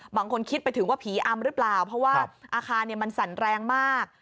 บางคนคิดไปถึงว่าผีอำหรือเปล่าเพราะว่าอาคารมันสั่นแรงมาก